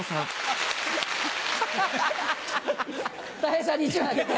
たい平さんに１枚あげて。